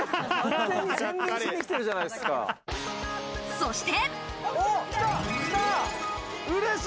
そして！